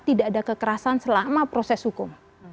tidak ada kekerasan selama proses hukum